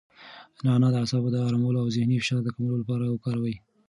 نعناع د اعصابو د ارامولو او د ذهني فشار د کمولو لپاره وکاروئ.